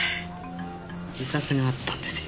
自殺があったんですよ。